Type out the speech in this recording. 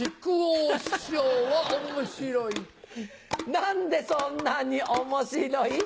何でそんなに面白い？